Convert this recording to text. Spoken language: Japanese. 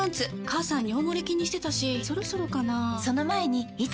母さん尿モレ気にしてたしそろそろかな菊池）